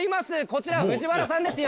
こちら藤原さんです